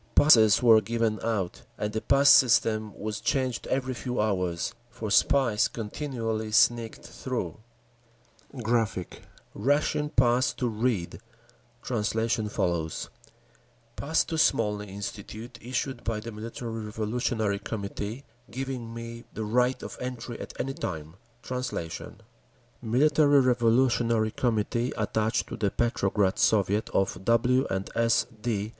Passes were given out, and the pass system was changed every few hours; for spies continually sneaked through…. [Graphic, page 49: Russian Pass to Reed, translation follows] Pass to Smolny Institute, issued by the Military Revolutionary Committee, giving me the right of entry at any time. (Translation) Military Revolutionary Committee attached to the Petrograd Soviet of W. & S. D.